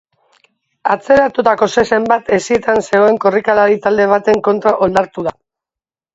Atzeratutako zezen bat hesietan zegoen korrikalari talde baten kontra oldartu da.